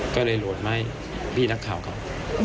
ก็เลยโหลดมาให้พี่นักข่าวเขา